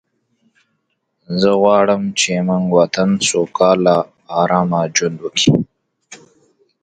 She took only vegetarian food right from here childhood.